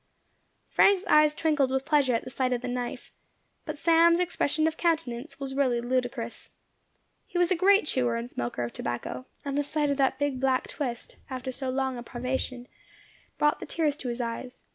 Frank's eyes twinkled with pleasure at the sight of the knife; but Sam's expression of countenance was really ludicrous. He was a great chewer and smoker of tobacco, and the sight of that big black twist, after so long a privation, brought the tears to his eyes.